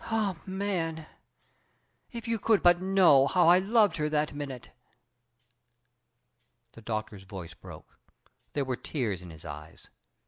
Ah! man, if you could but know how I loved her that minute!" The Doctor's voice broke. There were tears in his eyes.